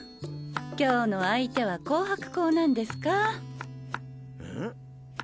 今日の相手はコーハク校なんですか？